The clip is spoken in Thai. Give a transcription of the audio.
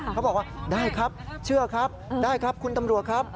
เขาบอกว่าได้ครับเชื่อครับได้ครับคุณตำรวจครับ